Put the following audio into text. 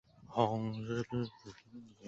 本季球衣改由彪马设计及供应。